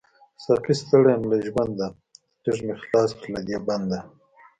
ساقۍ ستړی يم له ژونده، ليږ می خلاص کړه له دی بنده